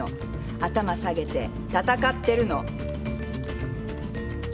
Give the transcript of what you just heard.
頭下げて闘ってるの！